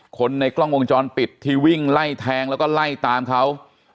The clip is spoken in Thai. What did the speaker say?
คนในกล้องวงจรปิดที่วิ่งไล่แทงแล้วก็ไล่ตามเขา